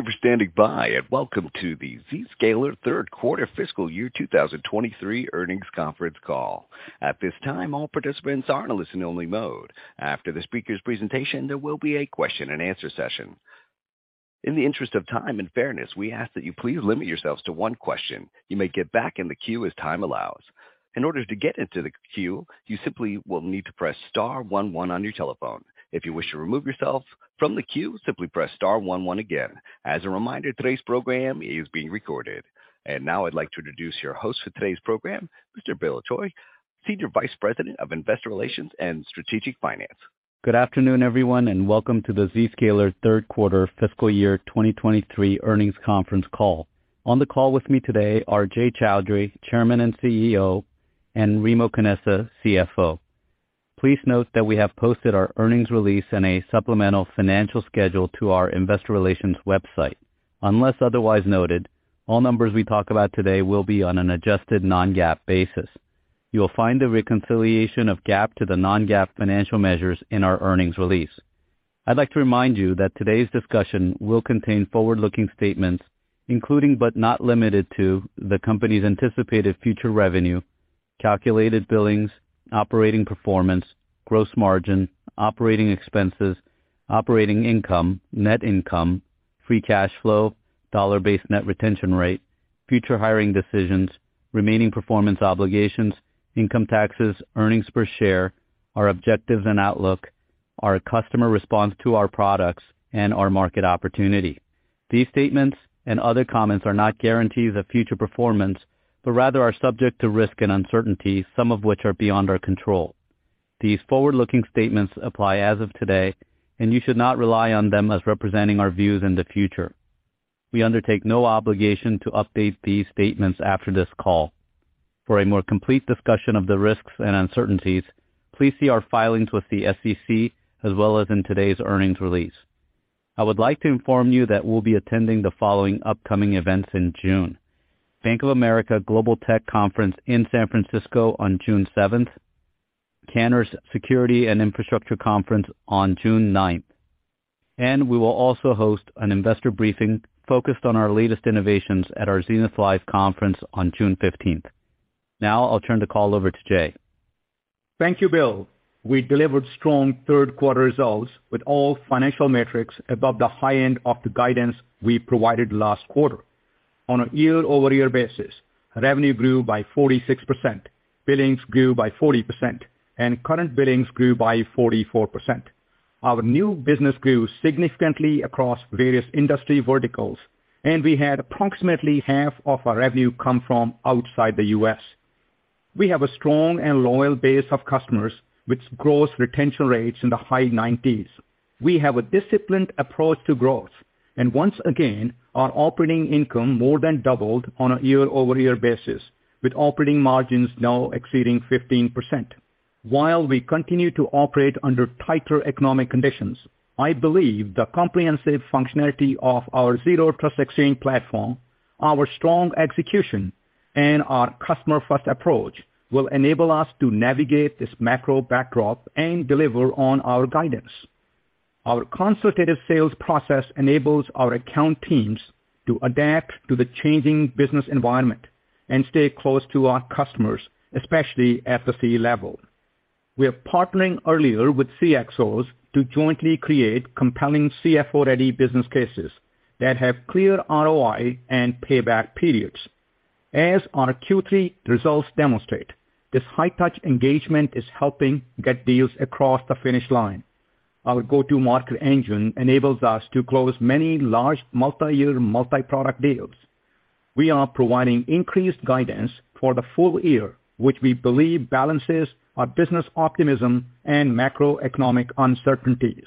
Thank you for standing by, and welcome to the Zscaler third quarter fiscal year 2023 earnings conference call. At this time, all participants are in a listen only mode. After the speaker's presentation, there will be a question and answer session. In the interest of time and fairness, we ask that you please limit yourselves to one question. You may get back in the queue as time allows. In order to get into the queue, you simply will need to press star one one on your telephone. If you wish to remove yourself from the queue, simply press star one one again. As a reminder, today's program is being recorded. Now I'd like to introduce your host for today's program, Mr. Bill Choi, Senior Vice President of Investor Relations and Strategic Finance. Good afternoon, everyone, and welcome to the Zscaler third quarter fiscal year 2023 earnings conference call. On the call with me today are Jay Chaudhry, Chairman and CEO, and Remo Canessa, CFO. Please note that we have posted our earnings release and a supplemental financial schedule to our investor relations website. Unless otherwise noted, all numbers we talk about today will be on an adjusted non-GAAP basis. You will find the reconciliation of GAAP to the non-GAAP financial measures in our earnings release. I'd like to remind you that today's discussion will contain forward-looking statements, including, but not limited to, the company's anticipated future revenue, calculated billings, operating performance, gross margin, operating expenses, operating income, net income, free cash flow, dollar-based net retention rate, future hiring decisions, remaining performance obligations, income taxes, earnings per share, our objectives and outlook, our customer response to our products, and our market opportunity. These statements and other comments are not guarantees of future performance, but rather are subject to risk and uncertainty, some of which are beyond our control. These forward-looking statements apply as of today, and you should not rely on them as representing our views in the future. We undertake no obligation to update these statements after this call. For a more complete discussion of the risks and uncertainties, please see our filings with the SEC as well as in today's earnings release. I would like to inform you that we'll be attending the following upcoming events in June: Bank of America Global Tech Conference in San Francisco on June seventh, Cantor's Security and Infrastructure Conference on June ninth, and we will also host an investor briefing focused on our latest innovations at our Zenith Live Conference on June 15th. Now I'll turn the call over to Jay. Thank you, Bill. We delivered strong third quarter results with all financial metrics above the high end of the guidance we provided last quarter. On a year-over-year basis, revenue grew by 46%, billings grew by 40%, and current billings grew by 44%. Our new business grew significantly across various industry verticals, and we had approximately half of our revenue come from outside the U.S. We have a strong and loyal base of customers with gross retention rates in the high 90s. We have a disciplined approach to growth, and once again, our operating income more than doubled on a year-over-year basis, with operating margins now exceeding 15%. While we continue to operate under tighter economic conditions, I believe the comprehensive functionality of our Zero Trust Exchange platform, our strong execution, and our customer-first approach will enable us to navigate this macro backdrop and deliver on our guidance. Our consultative sales process enables our account teams to adapt to the changing business environment and stay close to our customers, especially at the C-level. We are partnering earlier with CXOs to jointly create compelling CFO-ready business cases that have clear ROI and payback periods. As our Q3 results demonstrate, this high touch engagement is helping get deals across the finish line. Our go-to-market engine enables us to close many large multi-year, multi-product deals. We are providing increased guidance for the full year, which we believe balances our business optimism and macroeconomic uncertainties.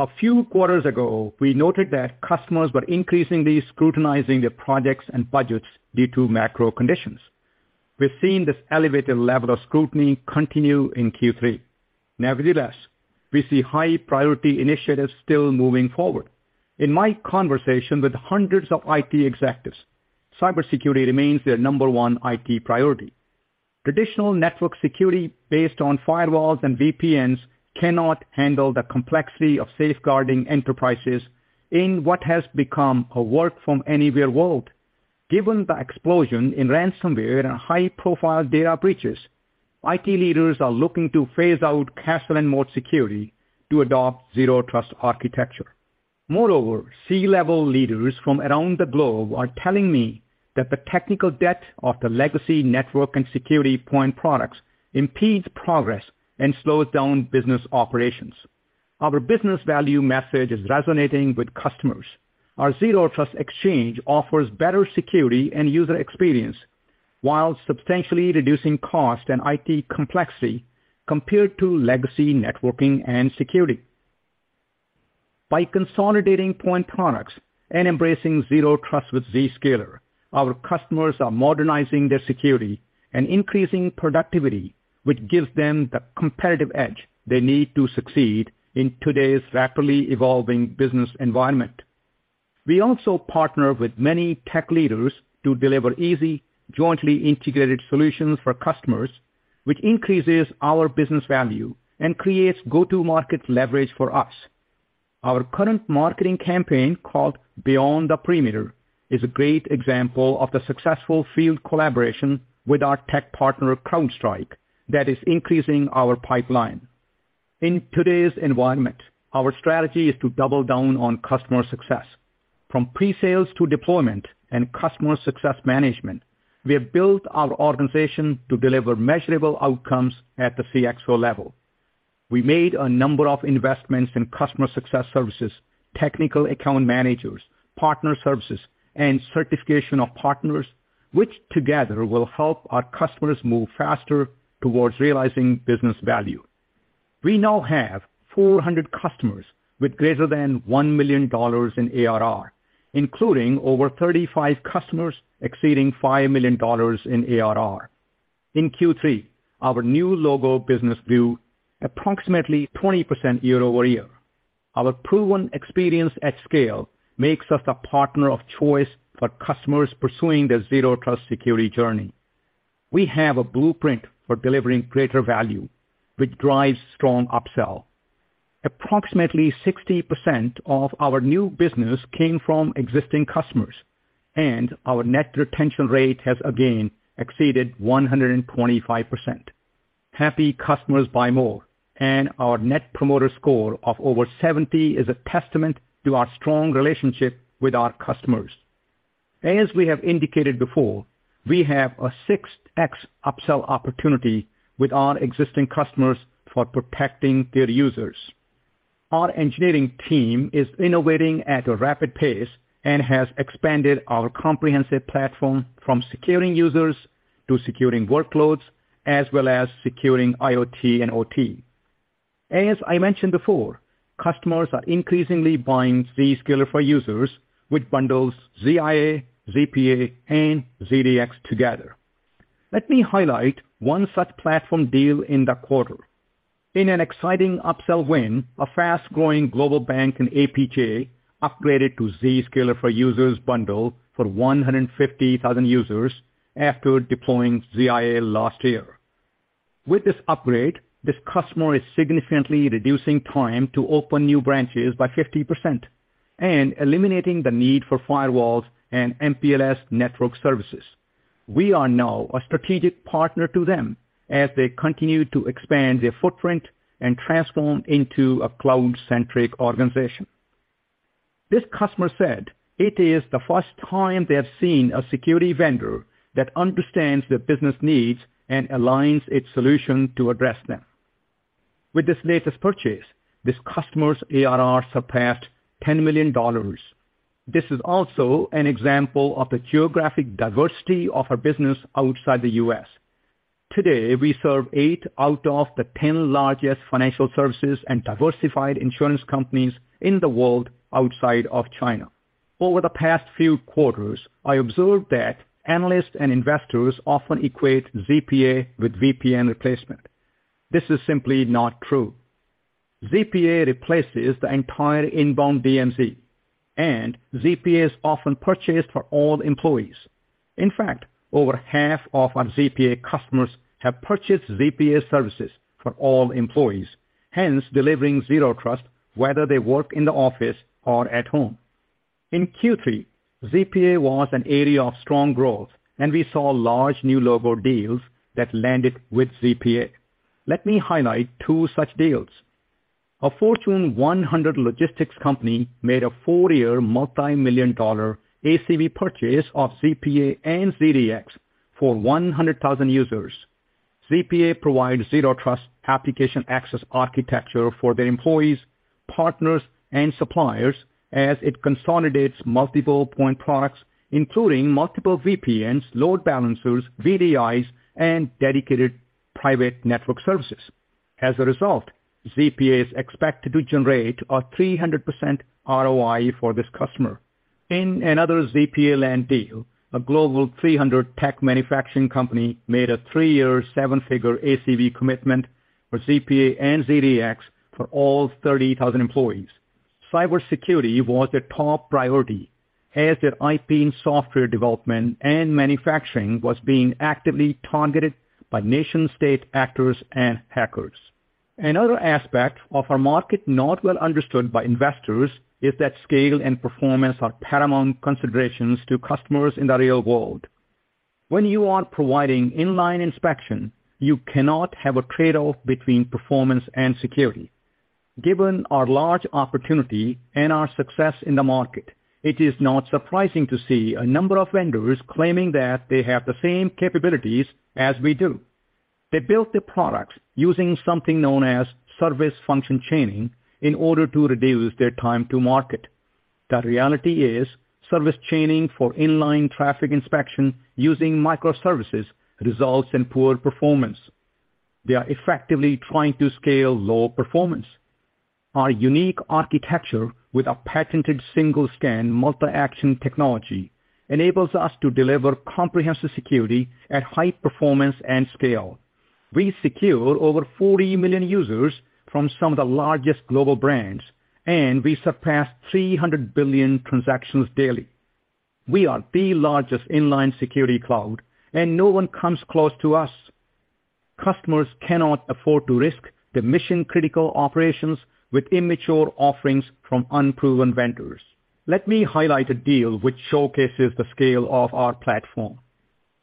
A few quarters ago, we noted that customers were increasingly scrutinizing their projects and budgets due to macro conditions. We've seen this elevated level of scrutiny continue in Q3. Nevertheless, we see high priority initiatives still moving forward. In my conversation with hundreds of IT executives, cybersecurity remains their number one IT priority. Traditional network security based on firewalls and VPNs cannot handle the complexity of safeguarding enterprises in what has become a work from anywhere world. Given the explosion in ransomware and high-profile data breaches, IT leaders are looking to phase out castle and moat security to adopt zero trust architecture. Moreover, C-level leaders from around the globe are telling me that the technical debt of the legacy network and security point products impedes progress and slows down business operations. Our business value message is resonating with customers. Our Zero Trust Exchange offers better security and user experience while substantially reducing cost and IT complexity compared to legacy networking and security. By consolidating point products and embracing zero trust with Zscaler, our customers are modernizing their security and increasing productivity, which gives them the competitive edge they need to succeed in today's rapidly evolving business environment. We also partner with many tech leaders to deliver easy, jointly integrated solutions for customers, which increases our business value and creates go-to-market leverage for us. Our current marketing campaign, called Beyond the Perimeter, is a great example of the successful field collaboration with our tech partner, CrowdStrike, that is increasing our pipeline. In today's environment, our strategy is to double down on customer success. From pre-sales to deployment and customer success management, we have built our organization to deliver measurable outcomes at the CXO level. We made a number of investments in customer success services, technical account managers, partner services, and certification of partners, which together will help our customers move faster towards realizing business value. We now have 400 customers with greater than $1 million in ARR, including over 35 customers exceeding $5 million in ARR. In Q3, our new logo business grew approximately 20% year-over-year. Our proven experience at scale makes us the partner of choice for customers pursuing their zero trust security journey. We have a blueprint for delivering greater value, which drives strong upsell. Approximately 60% of our new business came from existing customers, and our net retention rate has again exceeded 125%. Happy customers buy more, and our net promoter score of over 70 is a testament to our strong relationship with our customers. As we have indicated before, we have a 6x upsell opportunity with our existing customers for protecting their users. Our engineering team is innovating at a rapid pace and has expanded our comprehensive platform from securing users to securing workloads, as well as securing IoT and OT. As I mentioned before, customers are increasingly buying Zscaler for Users, which bundles ZIA, ZPA, and ZDX together. Let me highlight one such platform deal in the quarter. In an exciting upsell win, a fast-growing global bank in APJ upgraded to Zscaler for Users bundle for 150,000 users after deploying ZIA last year. With this upgrade, this customer is significantly reducing time to open new branches by 50% and eliminating the need for firewalls and MPLS network services. We are now a strategic partner to them as they continue to expand their footprint and transform into a cloud-centric organization. This customer said it is the first time they have seen a security vendor that understands their business needs and aligns its solution to address them. With this latest purchase, this customer's ARR surpassed $10 million. This is also an example of the geographic diversity of our business outside the U.S. Today, we serve 8 out of the 10 largest financial services and diversified insurance companies in the world outside of China. Over the past few quarters, I observed that analysts and investors often equate ZPA with VPN replacement. This is simply not true. ZPA replaces the entire inbound DMZ. ZPA is often purchased for all employees. In fact, over half of our ZPA customers have purchased ZPA services for all employees, hence delivering zero trust, whether they work in the office or at home. In Q3, ZPA was an area of strong growth, and we saw large new logo deals that landed with ZPA. Let me highlight two such deals. A Fortune 100 logistics company made a 4-year, multimillion-dollar ACV purchase of ZPA and ZDX for 100,000 users. ZPA provides zero trust application access architecture for their employees, partners, and suppliers as it consolidates multiple point products, including multiple VPNs, load balancers, VDIs, and dedicated private network services. As a result, ZPA is expected to generate a 300% ROI for this customer. In another ZPA land deal, a Global 300 tech manufacturing company made a 3-year, seven-figure ACV commitment for ZPA and ZDX for all 30,000 employees. Cybersecurity was their top priority, as their IP and software development and manufacturing was being actively targeted by nation-state actors and hackers. Another aspect of our market, not well understood by investors, is that scale and performance are paramount considerations to customers in the real world. When you are providing inline inspection, you cannot have a trade-off between performance and security. Given our large opportunity and our success in the market, it is not surprising to see a number of vendors claiming that they have the same capabilities as we do. They built their products using something known as service function chaining in order to reduce their time to market. The reality is, service chaining for inline traffic inspection using microservices results in poor performance. They are effectively trying to scale low performance. Our unique architecture, with a patented Single Scan, Multi-Action technology, enables us to deliver comprehensive security at high performance and scale. We secure over 40 million users from some of the largest global brands. We surpass 300 billion transactions daily. We are the largest inline security cloud, and no one comes close to us. Customers cannot afford to risk their mission-critical operations with immature offerings from unproven vendors. Let me highlight a deal which showcases the scale of our platform.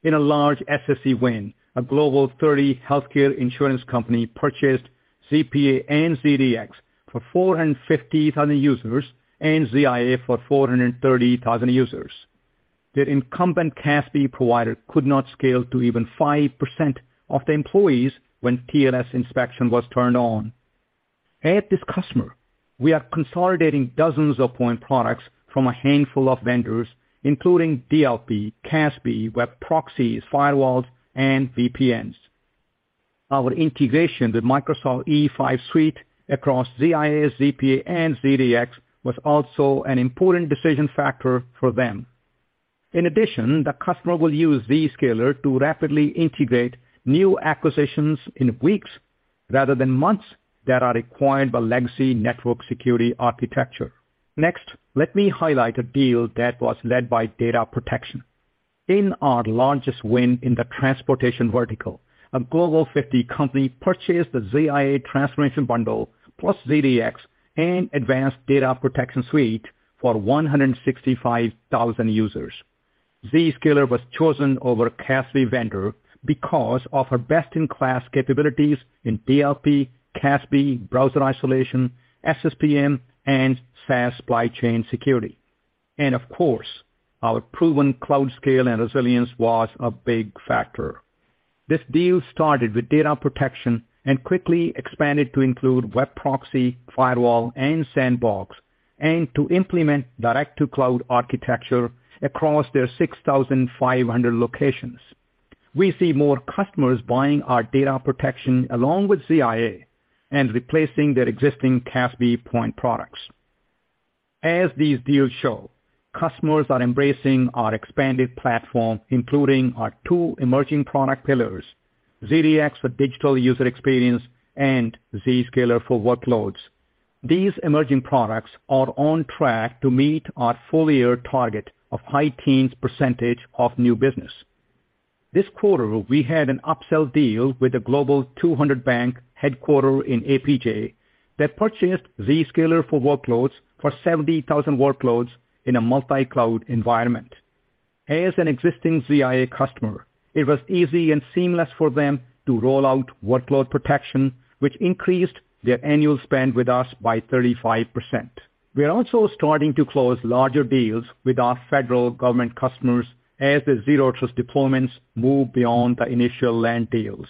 In a large SSE win, a Global 30 healthcare insurance company purchased ZPA and ZDX for 450,000 users and ZIA for 430,000 users. Their incumbent CASB provider could not scale to even 5% of the employees when TLS inspection was turned on. At this customer, we are consolidating dozens of point products from a handful of vendors, including DLP, CASB, web proxies, firewalls, and VPNs. Our integration with Microsoft E5 Suite across ZIA, ZPA, and ZDX was also an important decision factor for them. In addition, the customer will use Zscaler to rapidly integrate new acquisitions in weeks rather than months that are required by legacy network security architecture. Next, let me highlight a deal that was led by data protection. In our largest win in the transportation vertical, a Global 50 company purchased the ZIA Transformation Bundle, plus ZDX and Advanced Data Protection Suite for 165,000 users. Zscaler was chosen over a CASB vendor because of our best-in-class capabilities in DLP, CASB, browser isolation, SSPM, and SaaS supply chain security. Of course, our proven cloud scale and resilience was a big factor. This deal started with data protection and quickly expanded to include web proxy, firewall, and sandbox, and to implement direct-to-cloud architecture across their 6,500 locations. We see more customers buying our data protection along with ZIA and replacing their existing CASB point products. As these deals show, customers are embracing our expanded platform, including our two emerging product pillars, ZDX for digital user experience and Zscaler for Workloads. These emerging products are on track to meet our full year target of high teens % of new business. This quarter, we had an upsell deal with a Global 200 bank, headquartered in APJ, that purchased Zscaler for Workloads for 70,000 workloads in a multi-cloud environment. As an existing ZIA customer, it was easy and seamless for them to roll out workload protection, which increased their annual spend with us by 35%. We are also starting to close larger deals with our federal government customers as the Zero Trust deployments move beyond the initial land deals.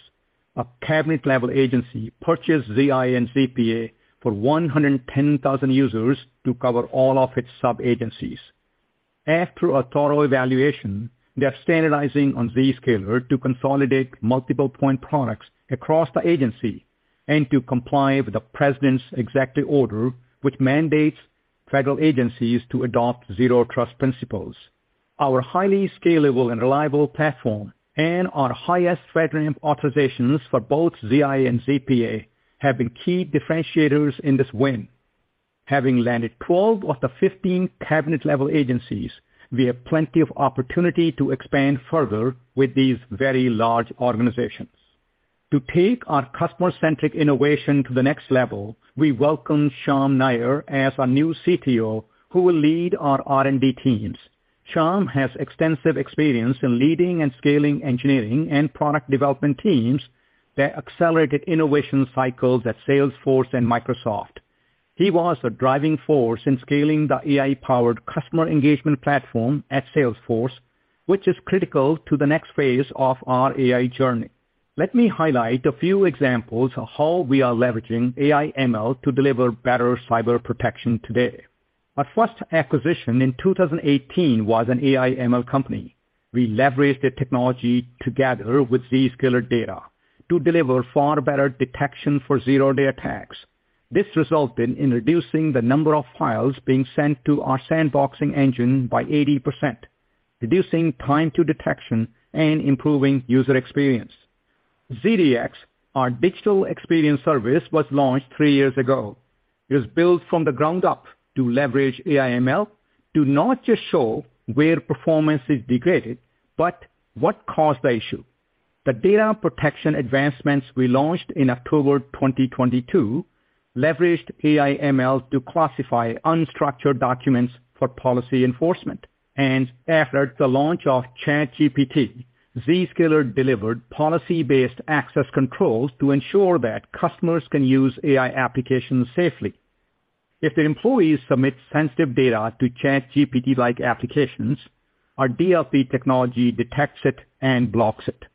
A cabinet-level agency purchased ZIA and ZPA for 110,000 users to cover all of its sub-agencies. After a thorough evaluation, they are standardizing on Zscaler to consolidate multiple point products across the agency and to comply with the president's executive order, which mandates federal agencies to adopt Zero Trust principles. Our highly scalable and reliable platform and our highest FedRAMP authorizations for both ZIA and ZPA have been key differentiators in this win. Having landed 12 of the 15 cabinet-level agencies, we have plenty of opportunity to expand further with these very large organizations. To take our customer-centric innovation to the next level, we welcome Syam Nair as our new CTO, who will lead our R&D teams. Syam has extensive experience in leading and scaling engineering and product development teams that accelerated innovation cycles at Salesforce and Microsoft. He was a driving force in scaling the AI-powered customer engagement platform at Salesforce, which is critical to the next phase of our AI journey. Let me highlight a few examples of how we are leveraging AI ML to deliver better cyber protection today. Our first acquisition in 2018 was an AI ML company. We leveraged the technology together with Zscaler data to deliver far better detection for zero-day attacks. This resulted in reducing the number of files being sent to our sandboxing engine by 80%, reducing time to detection and improving user experience. ZDX, our digital experience service, was launched three years ago. It was built from the ground up to leverage AI ML to not just show where performance is degraded, but what caused the issue. The data protection advancements we launched in October 2022 leveraged AI ML to classify unstructured documents for policy enforcement. After the launch of ChatGPT, Zscaler delivered policy-based access controls to ensure that customers can use AI applications safely. If the employees submit sensitive data to ChatGPT-like applications, our DLP technology detects it and blocks it.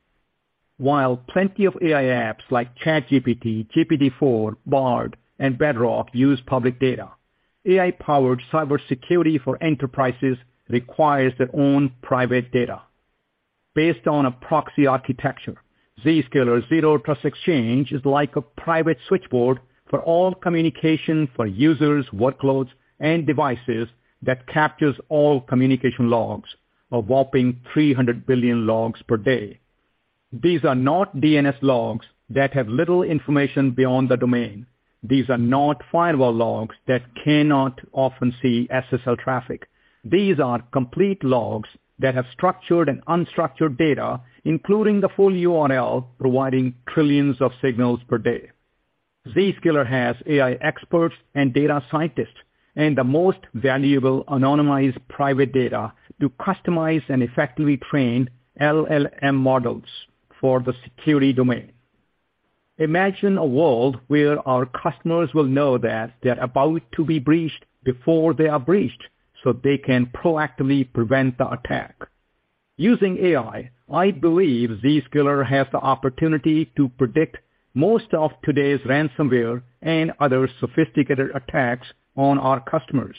While plenty of AI apps like ChatGPT, GPT-4, Bard, and Bedrock use public data, AI-powered cybersecurity for enterprises requires their own private data. Based on a proxy architecture, Zscaler Zero Trust Exchange is like a private switchboard for all communication for users, workloads, and devices that captures all communication logs, a whopping 300 billion logs per day.... These are not DNS logs that have little information beyond the domain. These are not firewall logs that cannot often see SSL traffic. These are complete logs that have structured and unstructured data, including the full URL, providing trillions of signals per day. Zscaler has AI experts and data scientists, and the most valuable anonymized private data to customize and effectively train LLM models for the security domain. Imagine a world where our customers will know that they're about to be breached before they are breached, so they can proactively prevent the attack. Using AI, I believe Zscaler has the opportunity to predict most of today's ransomware and other sophisticated attacks on our customers.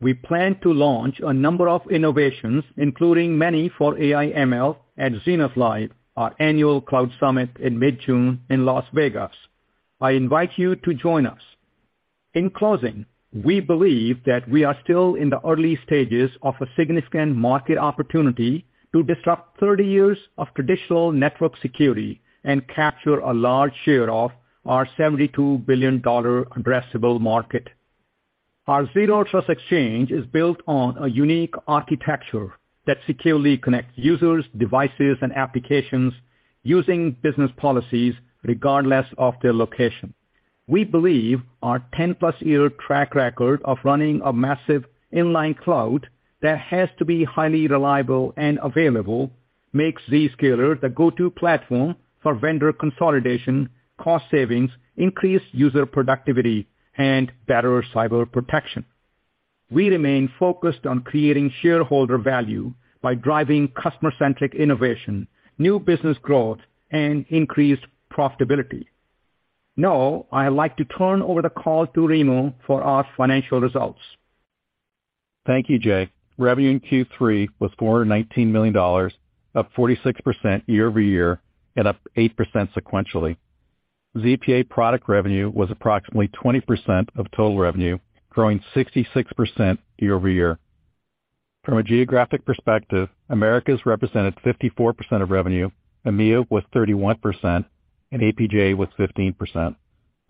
We plan to launch a number of innovations, including many for AI ML, at Zenith Live, our annual cloud summit in mid-June in Las Vegas. I invite you to join us. In closing, we believe that we are still in the early stages of a significant market opportunity to disrupt 30 years of traditional network security and capture a large share of our $72 billion addressable market. Our Zero Trust Exchange is built on a unique architecture that securely connects users, devices, and applications using business policies regardless of their location. We believe our 10-plus year track record of running a massive inline cloud that has to be highly reliable and available, makes Zscaler the go-to platform for vendor consolidation, cost savings, increased user productivity, and better cyber protection. We remain focused on creating shareholder value by driving customer-centric innovation, new business growth, and increased profitability. I'd like to turn over the call to Remo for our financial results. Thank you, Jay. Revenue in Q3 was $419 million, up 46% year-over-year and up 8% sequentially. ZPA product revenue was approximately 20% of total revenue, growing 66% year-over-year. From a geographic perspective, Americas represented 54% of revenue, EMEA was 31%, and APJ was 15%.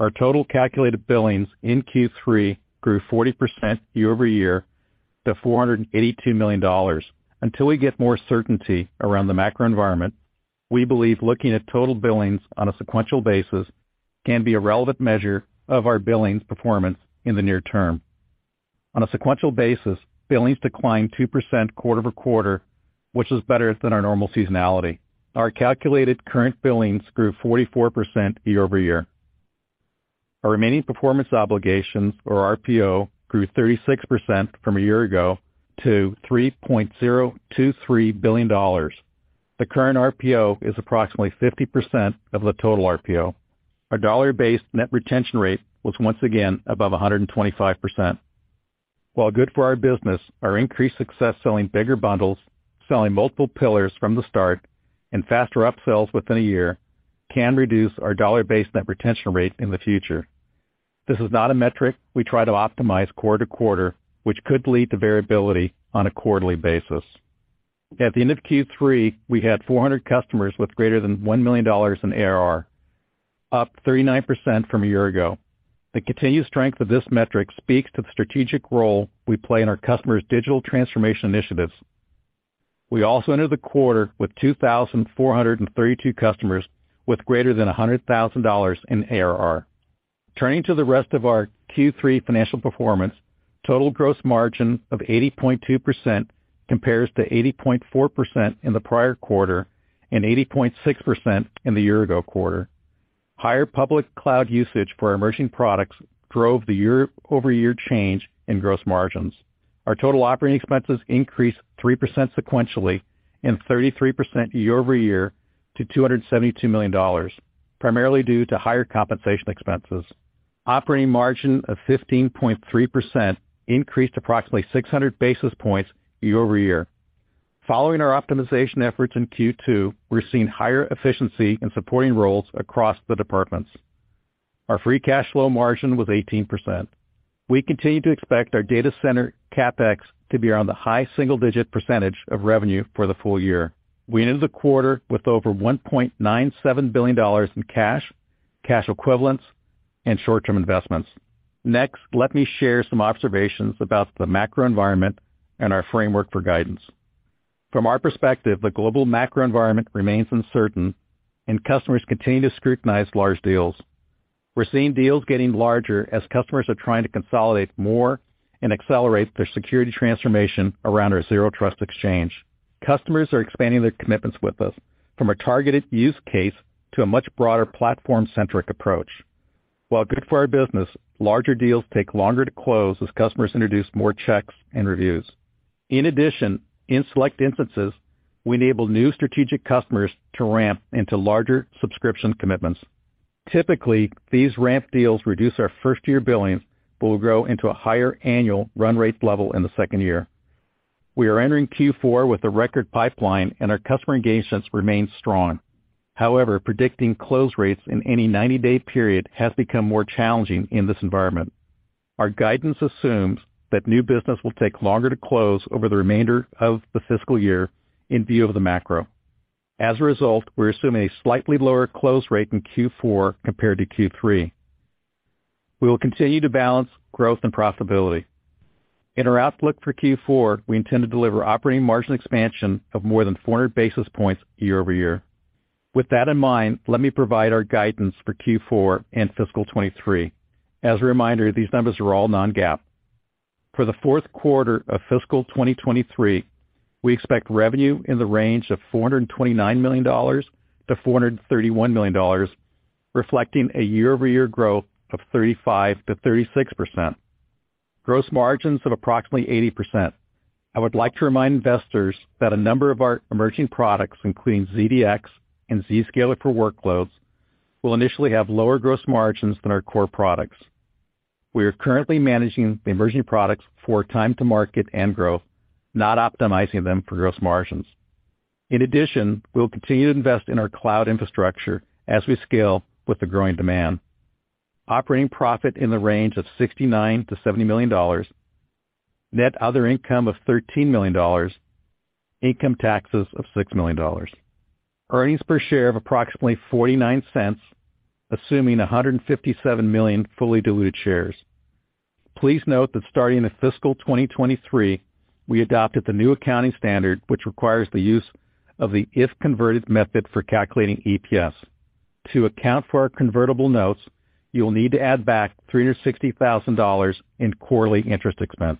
Our total calculated billings in Q3 grew 40% year-over-year to $482 million. Until we get more certainty around the macro environment, we believe looking at total billings on a sequential basis can be a relevant measure of our billings performance in the near term. On a sequential basis, billings declined 2% quarter-over-quarter, which is better than our normal seasonality. Our calculated current billings grew 44% year-over-year. Our remaining performance obligations, or RPO, grew 36% from a year ago to $3.023 billion. The current RPO is approximately 50% of the total RPO. Our dollar-based net retention rate was once again above 125%. While good for our business, our increased success selling bigger bundles, selling multiple pillars from the start, and faster upsells within a year can reduce our dollar-based net retention rate in the future. This is not a metric we try to optimize quarter to quarter, which could lead to variability on a quarterly basis. At the end of Q3, we had 400 customers with greater than $1 million in ARR, up 39% from a year ago. The continued strength of this metric speaks to the strategic role we play in our customers' digital transformation initiatives. We also entered the quarter with 2,432 customers, with greater than $100,000 in ARR. Turning to the rest of our Q3 financial performance, total gross margin of 80.2% compares to 80.4% in the prior quarter and 80.6% in the year ago quarter. Higher public cloud usage for our emerging products drove the year-over-year change in gross margins. Our total operating expenses increased 3% sequentially and 33% year-over-year to $272 million, primarily due to higher compensation expenses. Operating margin of 15.3% increased approximately 600 basis points year-over-year. Following our optimization efforts in Q2, we're seeing higher efficiency in supporting roles across the departments. Our free cash flow margin was 18%. We continue to expect our data center CapEx to be around the high single-digit percentage of revenue for the full year. We ended the quarter with over $1.97 billion in cash equivalents, and short-term investments. Let me share some observations about the macro environment and our framework for guidance. From our perspective, the global macro environment remains uncertain and customers continue to scrutinize large deals. We're seeing deals getting larger as customers are trying to consolidate more and accelerate their security transformation around our Zero Trust Exchange. Customers are expanding their commitments with us from a targeted use case to a much broader platform-centric approach. While good for our business, larger deals take longer to close as customers introduce more checks and reviews. In select instances, we enable new strategic customers to ramp into larger subscription commitments. Typically, these ramp deals reduce our first-year billings, but will grow into a higher annual run rate level in the second year. We are entering Q4 with a record pipeline and our customer engagements remain strong. Predicting close rates in any 90-day period has become more challenging in this environment. Our guidance assumes that new business will take longer to close over the remainder of the fiscal year in view of the macro. We're assuming a slightly lower close rate in Q4 compared to Q3. We will continue to balance growth and profitability. In our outlook for Q4, we intend to deliver operating margin expansion of more than 400 basis points year-over-year. Let me provide our guidance for Q4 and fiscal '23. As a reminder, these numbers are all non-GAAP. For the 4th quarter of fiscal 2023, we expect revenue in the range of $429 million to $431 million, reflecting a year-over-year growth of 35%-36%. Gross margins of approximately 80%. I would like to remind investors that a number of our emerging products, including ZDX and Zscaler for Workloads, will initially have lower gross margins than our core products. We are currently managing the emerging products for time to market and growth, not optimizing them for gross margins. In addition, we'll continue to invest in our cloud infrastructure as we scale with the growing demand. Operating profit in the range of $69 million-$70 million, net other income of $13 million, income taxes of $6 million. Earnings per share of approximately $0.49, assuming 157 million fully diluted shares. Please note that starting in fiscal 2023, we adopted the new accounting standard, which requires the use of the if converted method for calculating EPS. To account for our convertible notes, you will need to add back $360,000 in quarterly interest expense.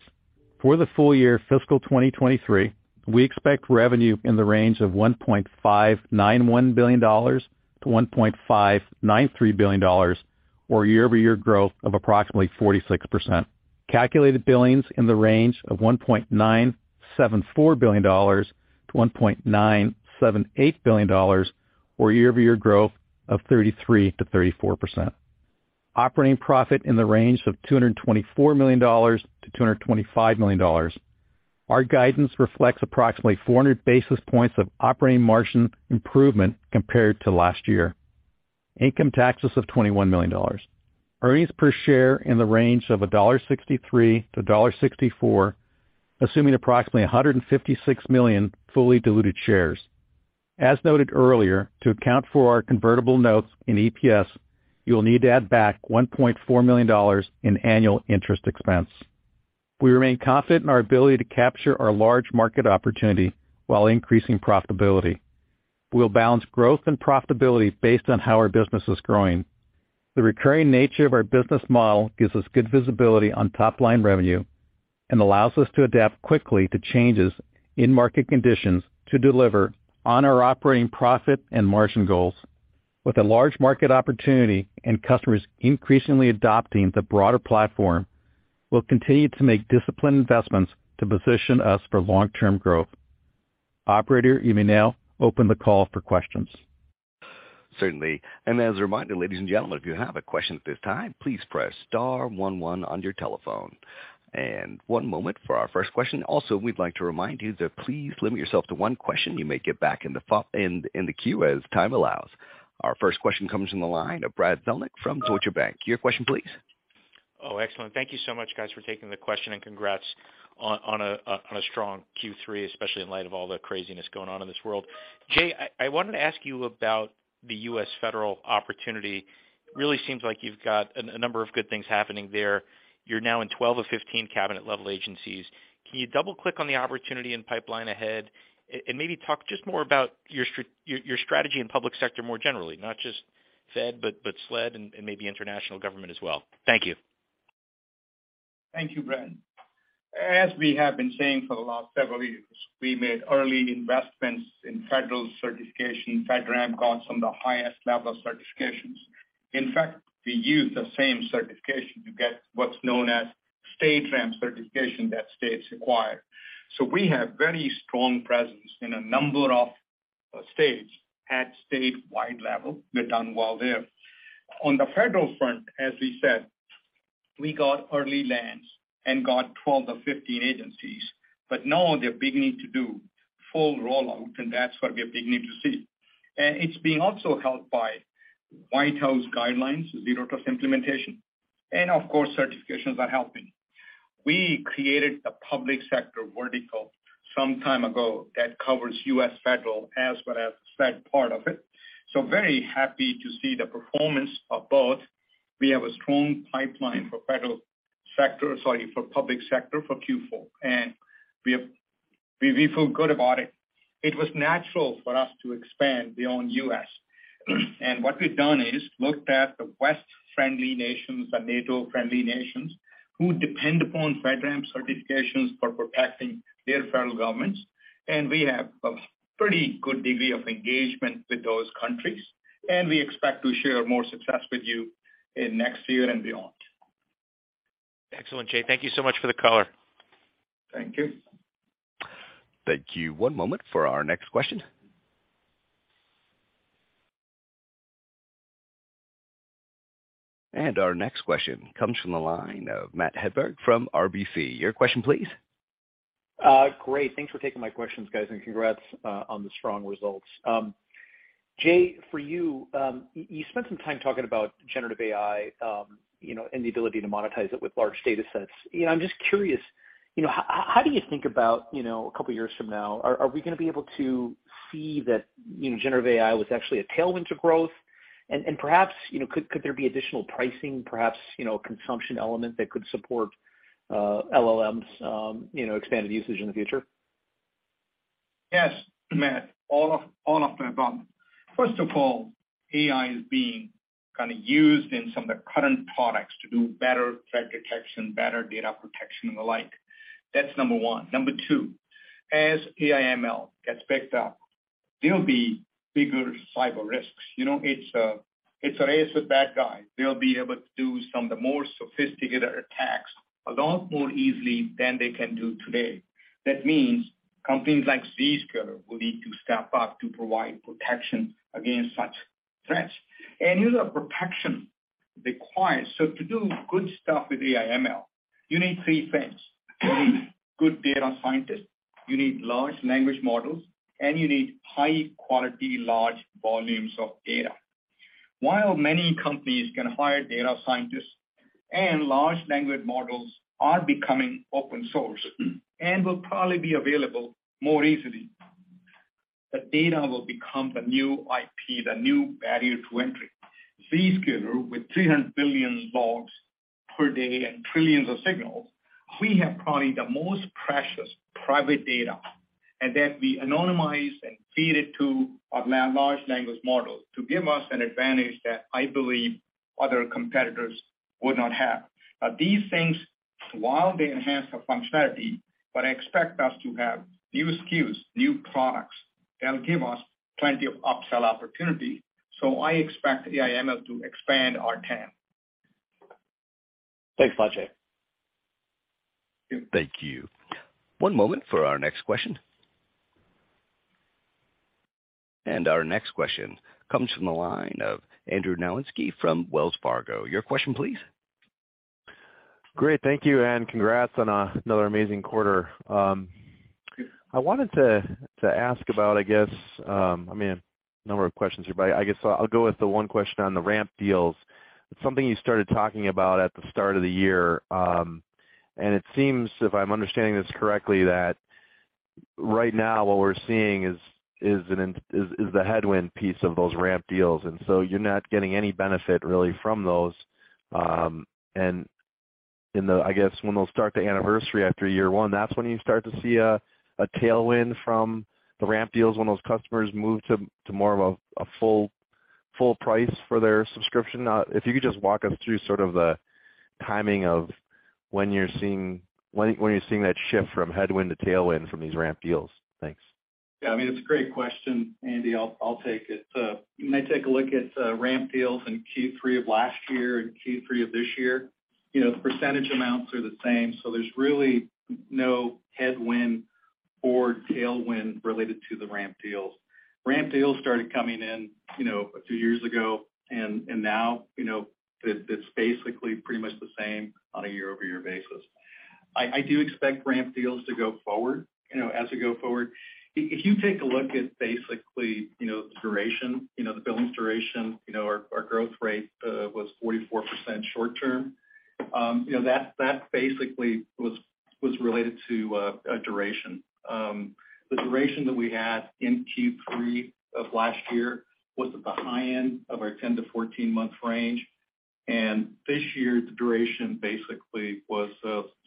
For the full year fiscal 2023, we expect revenue in the range of $1.591 billion-$1.593 billion, or year-over-year growth of approximately 46%. Calculated billings in the range of $1.974 billion-$1.978 billion, or year-over-year growth of 33%-34%. Operating profit in the range of $224 million-$225 million. Our guidance reflects approximately 400 basis points of operating margin improvement compared to last year. Income taxes of $21 million. Earnings per share in the range of $1.63-$1.64, assuming approximately 156 million fully diluted shares. As noted earlier, to account for our convertible notes in EPS, you will need to add back $1.4 million in annual interest expense. We remain confident in our ability to capture our large market opportunity while increasing profitability. We'll balance growth and profitability based on how our business is growing. The recurring nature of our business model gives us good visibility on top-line revenue and allows us to adapt quickly to changes in market conditions to deliver on our operating profit and margin goals. With a large market opportunity and customers increasingly adopting the broader platform, we'll continue to make disciplined investments to position us for long-term growth. Operator, you may now open the call for questions. Certainly. As a reminder, ladies and gentlemen, if you have a question at this time, please press star 11 on your telephone. One moment for our first question. Also, we'd like to remind you to please limit yourself to one question. You may get back in the queue as time allows. Our first question comes from the line of Brad Zelnick from Deutsche Bank. Your question, please. Oh, excellent. Thank you so much, guys, for taking the question, and congrats on a strong Q3, especially in light of all the craziness going on in this world. Jay, I wanted to ask you about the U.S. federal opportunity. Really seems like you've got a number of good things happening there. You're now in 12 of 15 cabinet-level agencies. Can you double-click on the opportunity and pipeline ahead, and maybe talk just more about your strategy in public sector more generally, not just Fed, but SLED and maybe international government as well? Thank you. Thank you, Brad. As we have been saying for the last several years, we made early investments in federal certification. FedRAMP got some of the highest level of certifications. In fact, we use the same certification to get what's known as StateRAMP certification that states require. We have very strong presence in a number of states at statewide level. We've done well there. On the federal front, as we said, we got early lands and got 12-15 agencies, but now they're beginning to do full rollout, and that's what we are beginning to see. It's being also helped by White House guidelines, zero trust implementation, and of course, certifications are helping. We created a public sector vertical some time ago that covers U.S. federal as well as SLED part of it. Very happy to see the performance of both. We have a strong pipeline for public sector, for Q4, and we feel good about it. It was natural for us to expand beyond U.S. What we've done is looked at the West-friendly nations, the NATO-friendly nations, who depend upon FedRAMP certifications for protecting their federal governments, and we have a pretty good degree of engagement with those countries, and we expect to share more success with you in next year and beyond. Excellent, Jay. Thank you so much for the color. Thank you. Thank you. One moment for our next question. Our next question comes from the line of Matt Hedberg from RBC. Your question, please? Great. Thanks for taking my questions, guys, and congrats on the strong results. Jay, for you spent some time talking about generative AI, you know, and the ability to monetize it with large data sets. You know, I'm just curious, how do you think about, you know, a couple years from now, are we gonna be able to see that, you know, generative AI was actually a tailwind to growth? Perhaps, you know, could there be additional pricing, perhaps, you know, a consumption element that could support LLMs, you know, expanded usage in the future? Yes, Matt, all of the above. First of all, AI is being kind of used in some of the current products to do better threat detection, better data protection, and the like. That's number one. Number two, as AI/ML gets backed up, there'll be bigger cyber risks. You know, it's a race to bad guy. They'll be able to do some of the more sophisticated attacks a lot more easily than they can do today. That means companies like Zscaler will need to step up to provide protection against such threats. You know, protection requires... To do good stuff with AI/ML, you need three things: good data scientists, you need large language models, and you need high quality, large volumes of data. While many companies can hire data scientists, large language models are becoming open source and will probably be available more easily, the data will become the new IP, the new barrier to entry. Zscaler, with 300 billion logs per day and trillions of signals, we have probably the most precious private data, that we anonymize and feed it to our large language models to give us an advantage that I believe other competitors would not have. These things, while they enhance the functionality, expect us to have new SKUs, new products, that'll give us plenty of upsell opportunity. I expect AI/ML to expand our TAM. Thanks a lot, Jay. Thank you. One moment for our next question. Our next question comes from the line of Andrew Nowinski from Wells Fargo. Your question, please. Great, thank you, and congrats on another amazing quarter. I wanted to ask about, I guess, I mean, a number of questions here, but I guess I'll go with the one question on the ramp deals. It's something you started talking about at the start of the year, and it seems, if I'm understanding this correctly, that right now, what we're seeing is the headwind piece of those ramp deals, and so you're not getting any benefit really from those. In the-- I guess, when they'll start the anniversary after year one, that's when you start to see a tailwind from the ramp deals, when those customers move to more of a full price for their subscription. If you could just walk us through sort of the timing of when you're seeing that shift from headwind to tailwind from these ramp deals. Thanks. Yeah, I mean, it's a great question, Andy. I'll take it. You may take a look at ramp deals in Q3 of last year and Q3 of this year. You know, the percentage amounts are the same, so there's really no headwind or tailwind related to the ramp deals. Ramp deals started coming in, you know, a few years ago, and now, you know, it's basically pretty much the same on a year-over-year basis. I do expect ramp deals to go forward, you know, as we go forward. If you take a look at basically, you know, the duration, you know, the billings duration, you know, our growth rate was 44% short term. You know, that basically was related to a duration. The duration that we had in Q3 of last year was at the high end of our 10-14 month range, and this year, the duration basically was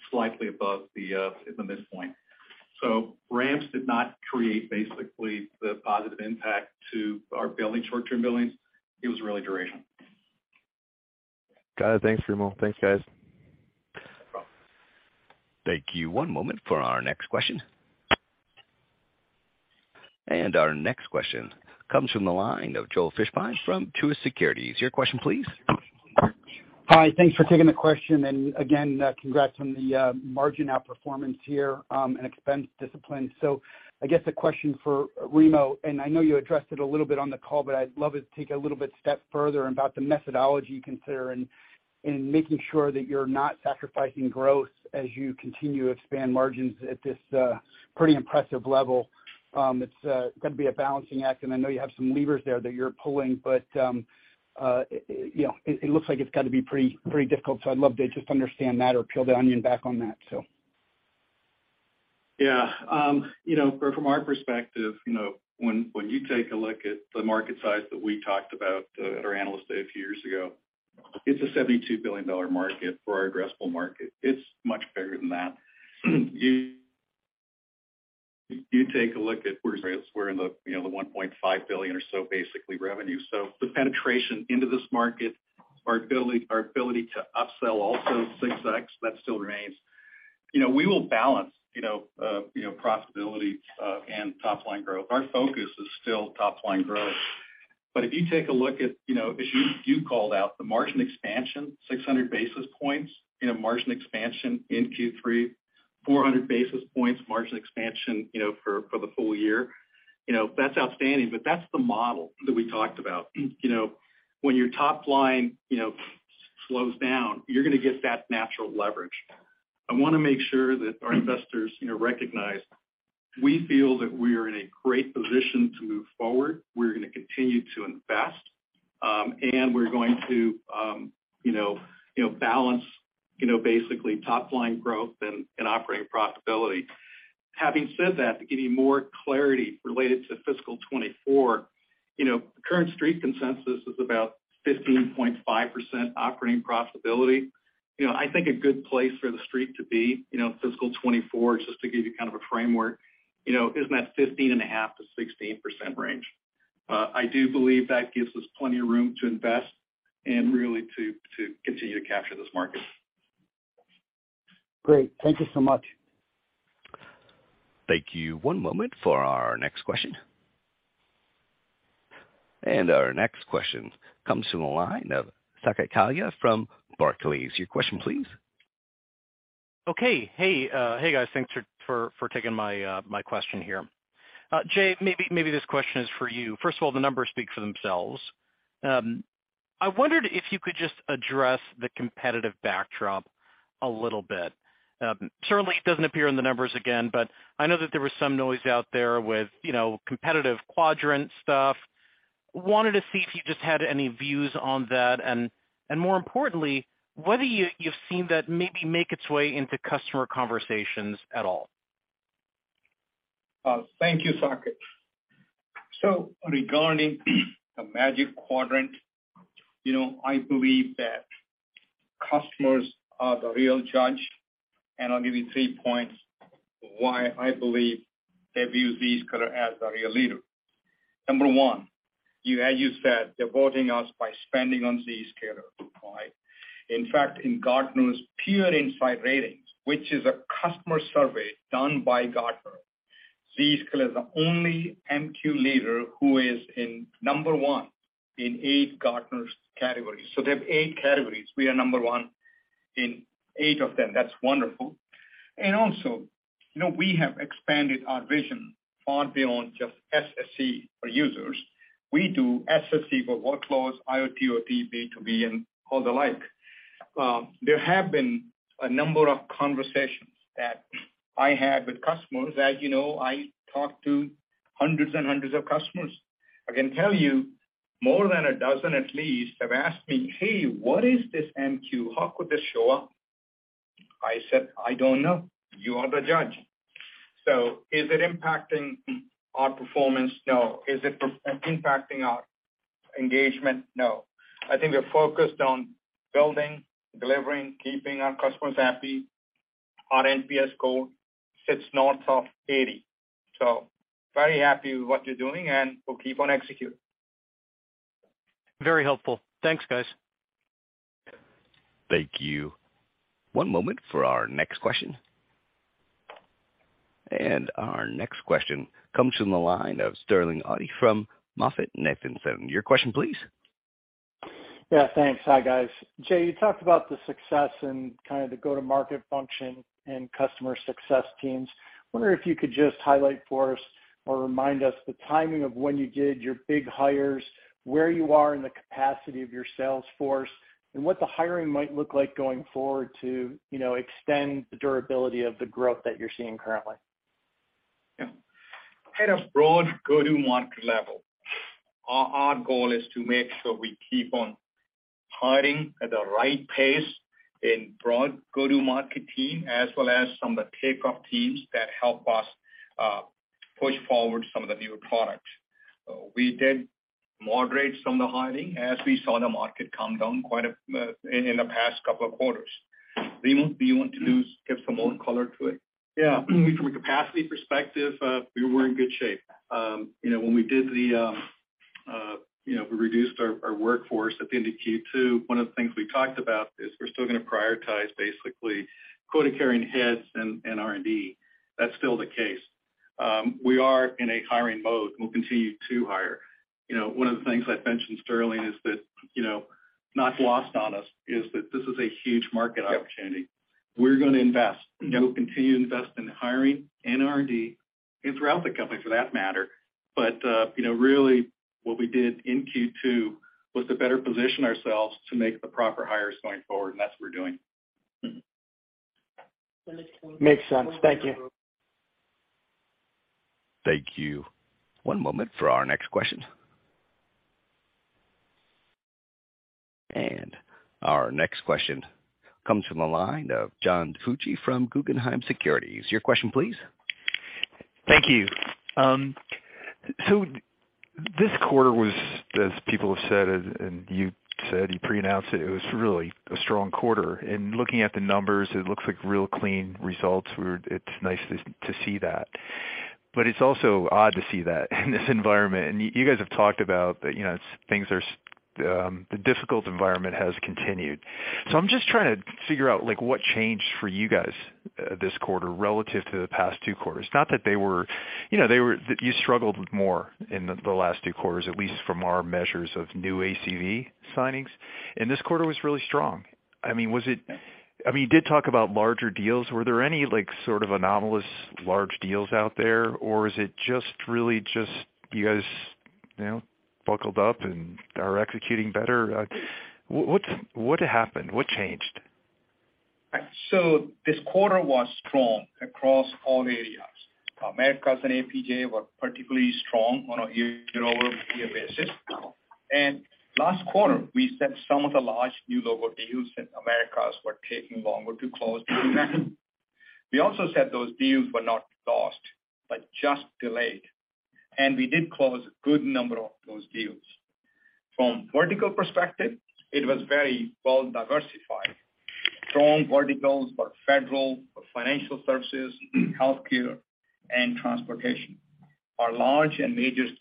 slightly above the in the midpoint. Ramps did not create basically the positive impact to our billings, short-term billings. It was really duration. Got it. Thanks, Remo. Thanks, guys. No problem. Thank you. One moment for our next question. Our next question comes from the line of Joel Fishbein from Truist Securities. Your question please. Hi, thanks for taking the question, and again, congrats on the margin outperformance here, and expense discipline. I guess a question for Remo, and I know you addressed it a little bit on the call, but I'd love to take a little bit step further about the methodology you consider in making sure that you're not sacrificing growth as you continue to expand margins at this pretty impressive level. It's gonna be a balancing act, and I know you have some levers there that you're pulling, but you know, it looks like it's got to be pretty difficult, so I'd love to just understand that or peel the onion back on that, so. Yeah, you know, from our perspective, you know, when you take a look at the market size that we talked about at our Analyst Day a few years ago, it's a $72 billion market for our addressable market. It's much bigger than that. You take a look at where's we're in the, you know, the $1.5 billion or so, basically, revenue. The penetration into this market, our ability to upsell also ZDX, that still remains. You know, we will balance, you know, profitability and top-line growth. Our focus is still top-line growth. If you take a look at, you know, as you called out, the margin expansion, 600 basis points, you know, margin expansion in Q3, 400 basis points margin expansion, you know, for the full year, you know, that's outstanding, but that's the model that we talked about. You know, when your top-line slows down, you're gonna get that natural leverage. I wanna make sure that our investors, you know, recognize, we feel that we are in a great position to move forward. We're gonna continue to invest, and we're going to, you know, balance, basically top-line growth and operating profitability. Having said that, to give you more clarity related to fiscal 2024, you know, the current Street consensus is about 15.5% operating profitability. You know, I think a good place for the Street to be, you know, fiscal 2024, just to give you kind of a framework, you know, is in that 15.5%-16% range. I do believe that gives us plenty of room to invest and really to continue to capture this market. Great. Thank you so much. Thank you. One moment for our next question. Our next question comes from the line of Saket Kalia from Barclays. Your question, please. Okay, hey, guys. Thanks for taking my question here. Jay, maybe this question is for you. First of all, the numbers speak for themselves. I wondered if you could just address the competitive backdrop a little bit. Certainly, it doesn't appear in the numbers again, but I know that there was some noise out there with, you know, competitive quadrant stuff. Wanted to see if you just had any views on that, and more importantly, whether you've seen that maybe make its way into customer conversations at all. Thank you, Saket. Regarding the Magic Quadrant, you know, I believe that customers are the real judge, and I'll give you three points why I believe they view Zscaler as a real leader. Number one, as you said, they're voting us by spending on Zscaler, right? In fact, in Gartner Peer Insights Ratings, which is a customer survey done by Gartner, Zscaler is the only MQ leader who is in number one in eight Gartner categories. They have eight categories. We are number one in eight of them. That's wonderful. Also, you know, we have expanded our vision far beyond just SSE for users. We do SSE for workloads, IoT, OTT, B2B, and all the like. There have been a number of conversations that I had with customers. As you know, I talk to hundreds and hundreds of customers. I can tell you, more than a dozen, at least, have asked me, "Hey, what is this MQ? How could this show up?" I said, "I don't know. You are the judge." Is it impacting our performance? No. Is it impacting our engagement? No. I think we're focused on building, delivering, keeping our customers happy. Our NPS score sits north of 80. Very happy with what you're doing, and we'll keep on executing. Very helpful. Thanks, guys. Thank you. One moment for our next question. Our next question comes from the line of Sterling Auty from MoffettNathanson. Your question, please. Yeah, thanks. Hi, guys. Jay, you talked about the success and kind of the go-to-market function and customer success teams. I wonder if you could just highlight for us or remind us the timing of when you did your big hires, where you are in the capacity of your sales force, and what the hiring might look like going forward to, you know, extend the durability of the growth that you're seeing currently. At a broad go-to-market level, our goal is to make sure we keep on hiring at the right pace in broad go-to-market team, as well as some of the takeoff teams that help us push forward some of the newer products. We did moderate some of the hiring as we saw the market come down quite a in the past couple of quarters. Remo, do you want to give some more color to it? Yeah. From a capacity perspective, we were in good shape. You know, when we did the, you know, we reduced our workforce at the end of Q2, one of the things we talked about is we're still gonna prioritize basically quota-carrying heads and R&D. That's still the case. We are in a hiring mode, and we'll continue to hire. You know, one of the things I've mentioned, Sterling, is that, you know, not lost on us, is that this is a huge market opportunity. Yep. We're gonna invest. Yep. We'll continue to invest in hiring and R&D and throughout the company, for that matter. You know, really what we did in Q2, was to better position ourselves to make the proper hires going forward, and that's what we're doing. Mm-hmm. Makes sense. Thank you. Thank you. One moment for our next question. Our next question comes from the line of John DiFucci from Guggenheim Securities. Your question, please. Thank you. This quarter was, as people have said, and you said, you pre-announced it was really a strong quarter. Looking at the numbers, it looks like real clean results were. It's nice to see that. It's also odd to see that in this environment, and you guys have talked about that, you know, things are, the difficult environment has continued. I'm just trying to figure out, like, what changed for you guys, this quarter relative to the past two quarters? Not that they were. You know, they were that you struggled more in the last two quarters, at least from our measures of new ACV signings. This quarter was really strong. I mean, was it? I mean, you did talk about larger deals. Were there any, like, sort of anomalous, large deals out there, or is it just really just you guys, you know, buckled up and are executing better? What happened? What changed? This quarter was strong across all areas. Americas and APJ were particularly strong on a year-over-year basis. Last quarter, we said some of the large new logo deals in Americas were taking longer to close. We also said those deals were not lost, but just delayed, and we did close a good number of those deals. From vertical perspective, it was very well diversified. Strong verticals were federal, financial services, healthcare, and transportation. Our large and majors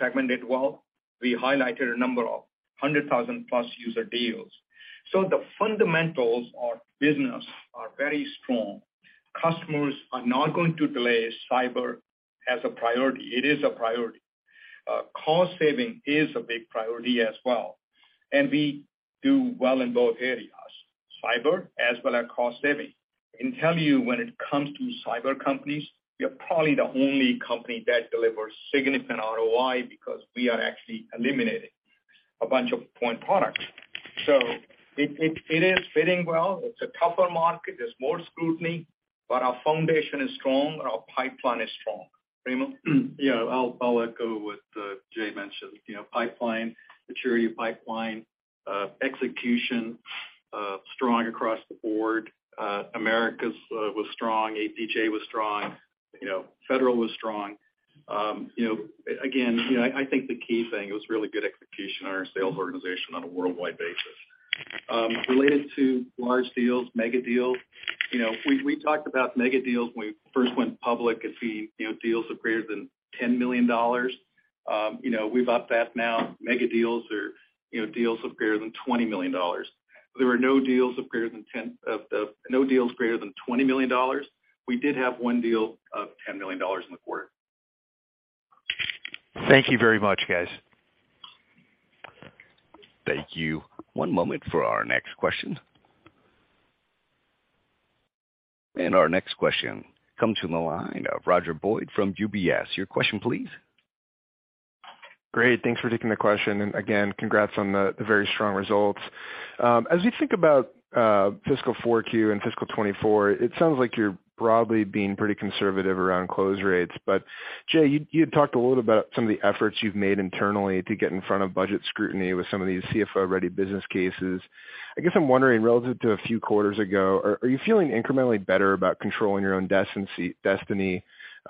segment did well. We highlighted a number of 100,000-plus user deals. The fundamentals of business are very strong. Customers are not going to delay cyber as a priority. It is a priority. Cost saving is a big priority as well, and we do well in both areas, cyber as well as cost saving. I can tell you when it comes to cyber companies, we are probably the only company that delivers significant ROI because we are actually eliminating a bunch of point products. It is fitting well. It's a tougher market. There's more scrutiny, our foundation is strong, and our pipeline is strong. Remo? I'll let go with Jay mentioned, you know, pipeline, maturity of pipeline, execution, strong across the board. Americas was strong, APJ was strong, you know, Federal was strong. You know, again, you know, I think the key thing, it was really good execution on our sales organization on a worldwide basis. Related to large deals, mega deals, you know, we talked about mega deals when we first went public, as we, you know, deals of greater than $10 million. You know, we've upped that now. Mega deals are, you know, deals of greater than $20 million. There were no deals of greater than $20 million. We did have one deal of $10 million in the quarter. Thank you very much, guys. Thank you. One moment for our next question. Our next question comes from the line of Roger Boyd, from UBS. Your question, please. Great, thanks for taking the question. Again, congrats on the very strong results. As you think about fiscal 4Q and fiscal 2024, it sounds like you're probably being pretty conservative around close rates. Jay, you had talked a little about some of the efforts you've made internally to get in front of budget scrutiny with some of these CFO-ready business cases. I guess I'm wondering, relative to a few quarters ago, are you feeling incrementally better about controlling your own destiny,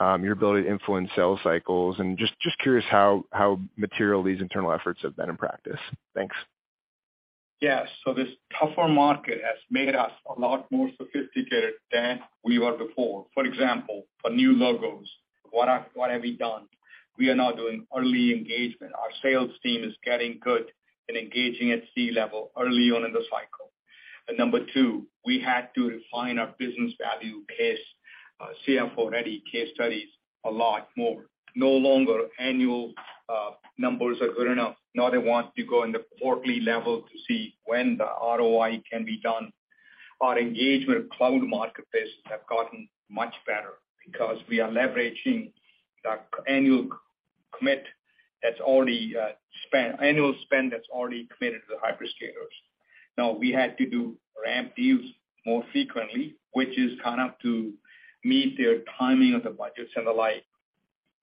your ability to influence sales cycles? Just curious how material these internal efforts have been in practice. Thanks. Yes. This tougher market has made us a lot more sophisticated than we were before. For example, for new logos, what have we done? We are now doing early engagement. Our sales team is getting good in engaging at C level early on in the cycle. Number two, we had to refine our business value-based CFO-ready case studies a lot more. No longer annual numbers are good enough. Now they want to go in the quarterly level to see when the ROI can be done. Our engagement cloud marketplace have gotten much better because we are leveraging the annual commit that's already spent, annual spend that's already committed to the Hyperscalers. We had to do ramp deals more frequently, which is kind of to meet their timing of the budgets and the like.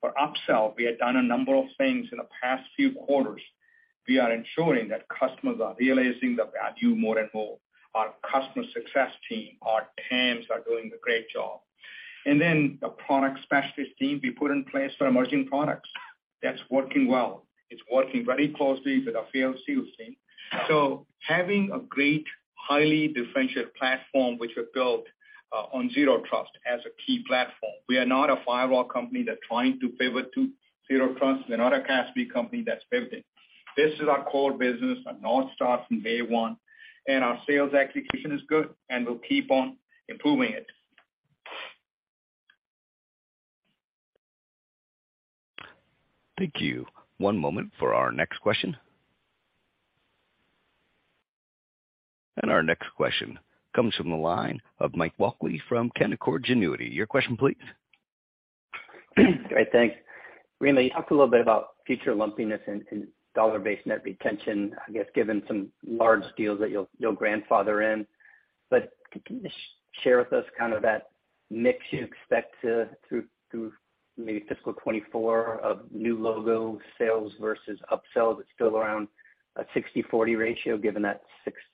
For upsell, we had done a number of things in the past few quarters. We are ensuring that customers are realizing the value more and more. Our customer success team, our teams are doing a great job. The product specialist team we put in place for emerging products, that's working well. It's working very closely with our field sales team. Having a great, highly differentiated platform, which we built on Zero Trust as a key platform, we are not a firewall company that's trying to pivot to Zero Trust and not a CASB company that's pivoted. This is our core business, a north star from day one, and our sales execution is good, and we'll keep on improving it. Thank you. One moment for our next question. Our next question comes from the line of Mike Walkley from Canaccord Genuity. Your question, please. Great, thanks. Remo, you talked a little bit about future lumpiness and dollar-based net retention, I guess, given some large deals that you'll grandfather in. Can you just share with us kind of that mix you expect to, through maybe fiscal 24 of new logo sales versus upsell that's still around a 60/40 ratio, given that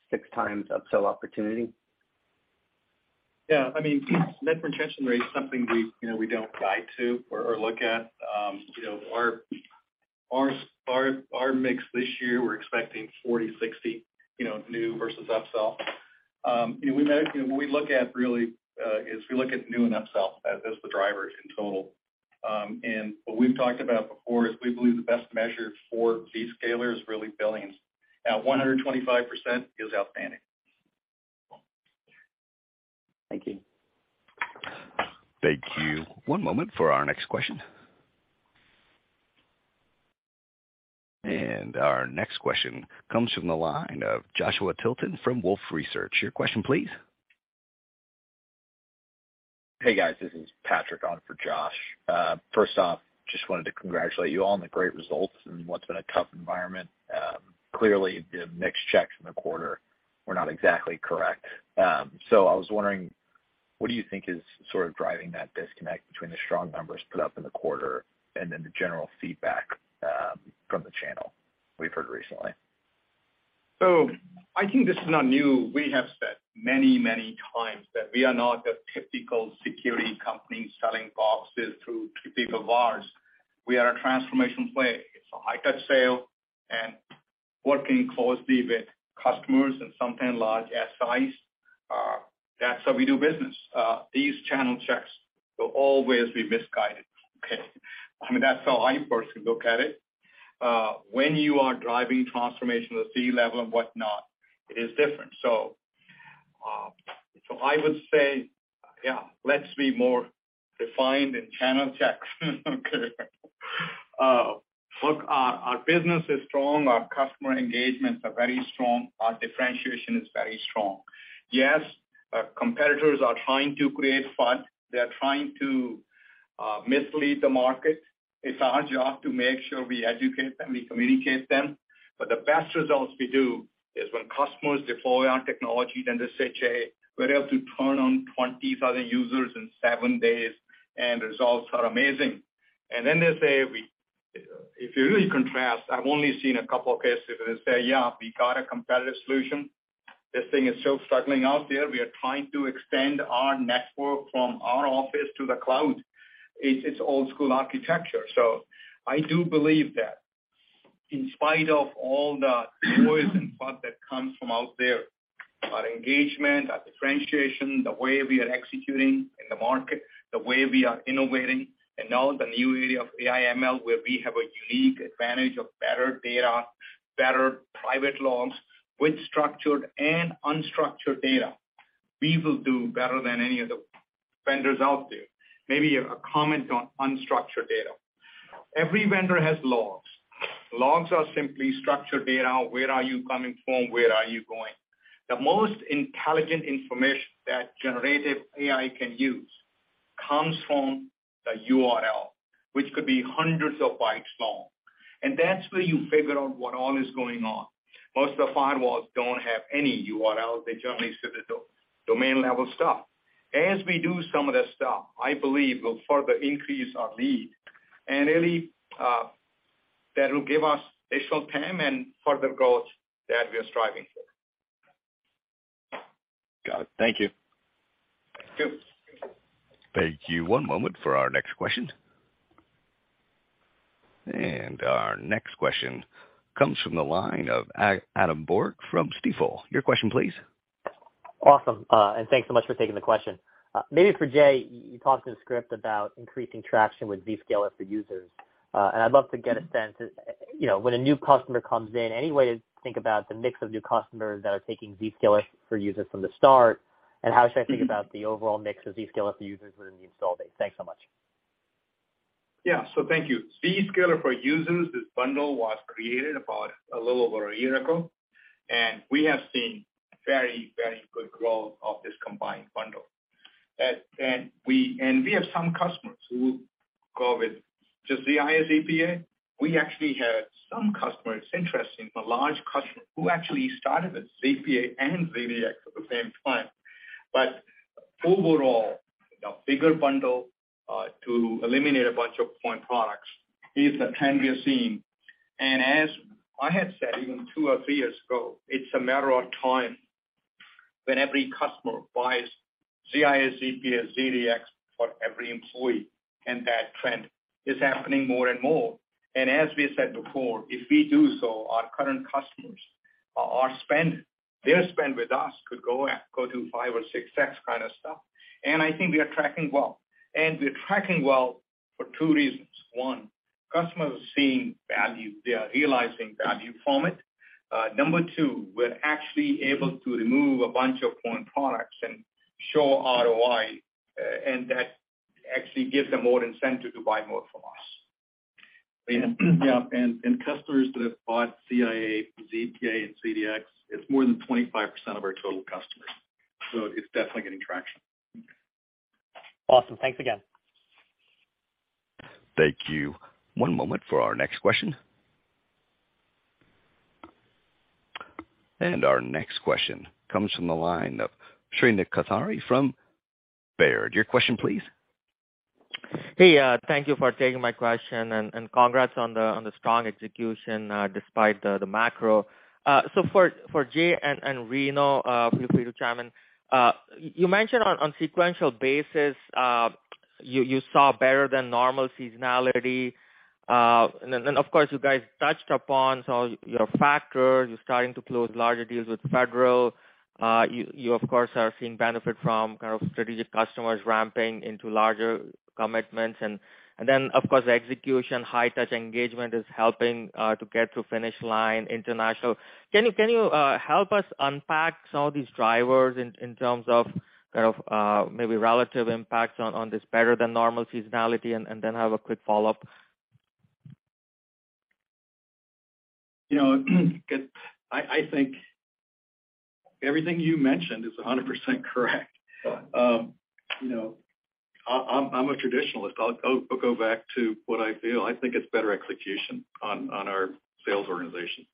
6 times upsell opportunity? Yeah, I mean, net retention rate is something we, you know, we don't guide to or look at. you know, our mix this year, we're expecting 40-60, you know, new versus upsell. you know, what we look at really, is we look at new and upsell as the drivers in total. What we've talked about before is we believe the best measure for Zscaler is really billings. At 125%, is outstanding. Thank you. Thank you. One moment for our next question. Our next question comes from the line of Joshua Tilton from Wolfe Research. Your question, please? Hey, guys, this is Patrick on for Josh. First off, just wanted to congratulate you all on the great results in what's been a tough environment. Clearly, the mixed checks in the quarter were not exactly correct. I was wondering, what do you think is sort of driving that disconnect between the strong numbers put up in the quarter and then the general feedback from the channel we've heard recently? I think this is not new. We have said many, many times that we are not the typical security company selling boxes through typical VARS. We are a transformation play. It's a high-touch sale and working closely with customers and sometimes large SIs. That's how we do business. These channel checks will always be misguided. Okay? I mean, that's how I personally look at it. When you are driving transformational C-level and whatnot, it is different. I would say, yeah, let's be more refined in channel checks. Look, our business is strong, our customer engagements are very strong, our differentiation is very strong. Yes, our competitors are trying to create FUD. They're trying to mislead the market. It's our job to make sure we educate them, we communicate them. The best results we do is when customers deploy our technology. Then they say, "Hey, we're able to turn on 20,000 users in 7 days, and results are amazing." Then they say, If you really contrast, I've only seen a couple of cases where they say, "Yeah, we got a competitive solution. This thing is so struggling out there. We are trying to extend our network from our office to the cloud." It's old school architecture. I do believe that in spite of all the noise and FUD that comes from out there, our engagement, our differentiation, the way we are executing in the market, the way we are innovating, and now the new area of AI/ML, where we have a unique advantage of better data, better private logs with structured and unstructured data, we will do better than any of the vendors out there. A comment on unstructured data. Every vendor has logs. Logs are simply structured data. Where are you coming from? Where are you going? The most intelligent information that generative AI can use comes from the URL, which could be hundreds of bytes long, that's where you figure out what all is going on. Most of the firewalls don't have any URLs. They generally sit at the domain-level stuff. As we do some of that stuff, I believe will further increase our lead, and really, that will give us additional TAM and further growth that we are striving for. Got it. Thank you. Thank you. Thank you. One moment for our next question. Our next question comes from the line of Adam Borg from Stifel. Your question, please. Awesome, thanks so much for taking the question. Maybe for Jay, you talked in the script about increasing traction with Zscaler for Users. I'd love to get a sense, you know, when a new customer comes in, any way to think about the mix of new customers that are taking Zscaler for Users from the start, and how should I think about the overall mix of Zscaler for Users within the install base? Thanks so much. Yeah. Thank you. Zscaler for Users, this bundle was created about a little over a year ago, and we have seen very, very good growth of this combined bundle. We have some customers who go with just the ZPA. We actually have some customers, interesting, but large customers, who actually started with ZPA and ZDX at the same time. Overall, a bigger bundle to eliminate a bunch of point products is the trend we are seeing. As I had said, even two or three years ago, it's a matter of time when every customer buys ZIA, ZPA, ZDX for every employee, and that trend is happening more and more. As we said before, if we do so, our current customers, our spend, their spend with us could go to five or six X kind of stuff. I think we are tracking well. We're tracking well for two reasons. One, customers are seeing value, they are realizing value from it. Number two, we're actually able to remove a bunch of point products and show ROI, and that actually gives them more incentive to buy more from us. Yeah, customers that have bought ZIA, ZPA, and ZDX, it's more than 25% of our total customers, it's definitely getting traction. Awesome. Thanks again. Thank you. One moment for our next question. Our next question comes from the line of Shrenik Kothari from Baird. Your question, please. Hey, thank you for taking my question. Congrats on the strong execution despite the macro. For Jay and Remo Canessa, feel free to chime in. You mentioned on sequential basis, you saw better than normal seasonality. Of course, you guys touched upon some of your factors. You're starting to close larger deals with federal. You of course, are seeing benefit from kind of strategic customers ramping into larger commitments. Of course, the execution, high touch engagement is helping to get to finish line international. Can you help us unpack some of these drivers in terms of kind of maybe relative impact on this better than normal seasonality? I have a quick follow-up.... You know, I think everything you mentioned is 100% correct. You know, I'm a traditionalist. I'll go back to what I feel. I think it's better execution on our sales organization.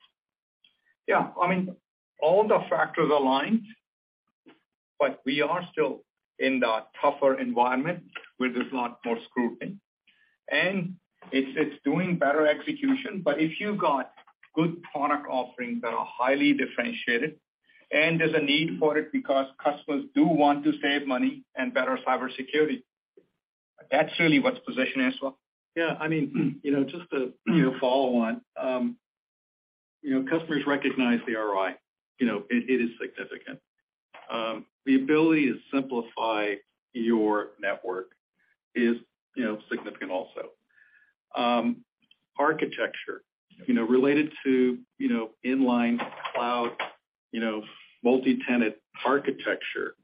Yeah. I mean, all the factors aligned. We are still in the tougher environment where there's a lot more scrutiny, and it's doing better execution. If you've got good product offerings that are highly differentiated, and there's a need for it because customers do want to save money and better cybersecurity, that's really what's positioning us well. I mean, you know, just to, you know, follow on, you know, customers recognize the ROI. You know, it is significant. The ability to simplify your network is, you know, significant also. Architecture, you know, related to, you know, inline cloud, you know, multi-tenant architecture,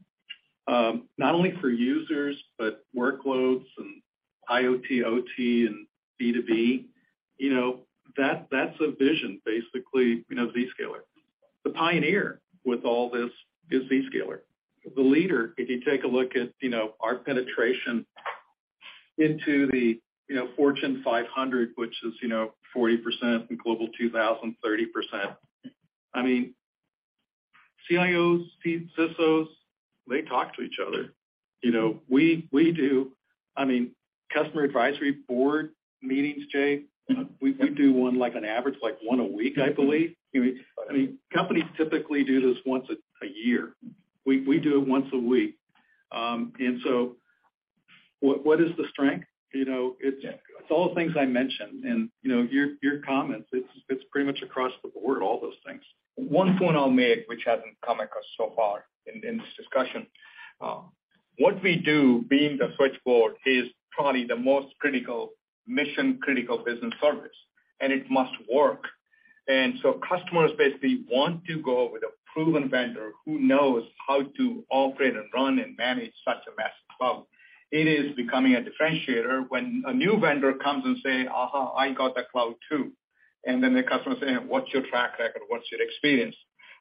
not only for users, but workloads and IoT, OT, and B2B, you know, that's a vision, basically, you know, Zscaler. The pioneer with all this is Zscaler. The leader, if you take a look at, you know, our penetration into the, you know, Fortune 500, which is, you know, 40%, and Global 2000, 30%. I mean, CIOs, CISOs, they talk to each other. You know, we do. I mean, customer advisory board meetings, Jay, we do 1, like, on average, like, 1 a week, I believe. I mean, companies typically do this once a year. We do it once a week. What is the strength? You know, it's all the things I mentioned, and, you know, your comments, it's pretty much across the board, all those things. One point I'll make, which hasn't come across so far in this discussion, what we do, being the switchboard, is probably the most critical, mission-critical business service, and it must work. Customers basically want to go with a proven vendor who knows how to operate and run and manage such a massive cloud. It is becoming a differentiator when a new vendor comes and say, "Aha, I got the cloud, too." Then the customer saying: "What's your track record? What's your experience?"